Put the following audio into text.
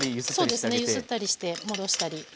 そうですね揺すったりして戻したり。